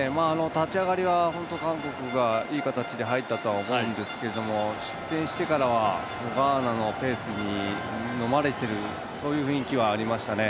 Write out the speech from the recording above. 立ち上がりは本当に韓国がいい形で入ったと思うんですけど失点してからはガーナのペースにのまれているそういう雰囲気はありましたね。